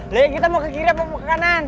deh kita mau ke kiri apa mau ke kanan